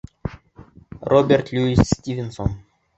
Роберт Льюис Стивенсон.